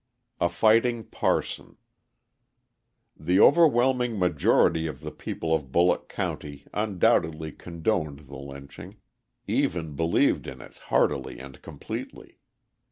A Fighting Parson The overwhelming majority of the people of Bulloch County undoubtedly condoned the lynching, even believed in it heartily and completely.